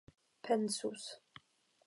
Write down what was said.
pensus